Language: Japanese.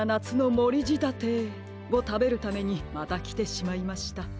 つのもりじたてをたべるためにまたきてしまいました。